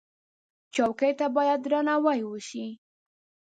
چوکۍ ته باید درناوی وشي.